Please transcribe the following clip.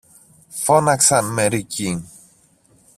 φώναξαν μερικοί.